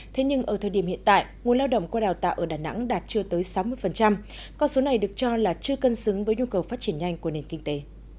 thế nhưng ở thời điểm hiện tại nguồn lao động qua đào tạo ở đà nẵng đạt chưa tới sáu mươi con số này được cho là chưa cân xứng với nhu cầu phát triển nhanh của nền kinh tế